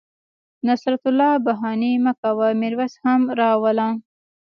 نصرت الله بهاني مه کوه میرویس هم را وله